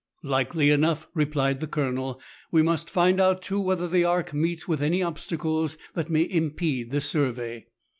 '* Likely enough," replied the Colonel. "We must find out too, whether the arc meets with any obstacles that may impede the survey.